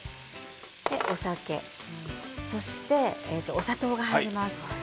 お酒、そして、お砂糖が入ります。